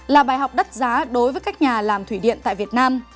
là bài học đắt giá đối với các nhà làm thủy điện tại việt nam